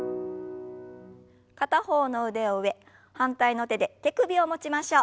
片方の腕を上反対の手で手首を持ちましょう。